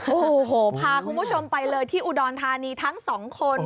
โอ้โหพาคุณผู้ชมไปเลยที่อุดรธานีทั้งสองคน